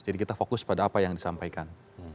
jadi kita fokus pada apa yang disampaikan